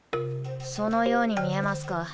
そのように見えますか？